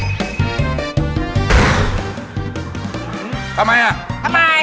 อุปกรณ์ทำสวนชนิดใดราคาถูกที่สุด